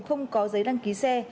không có giấy đăng ký xe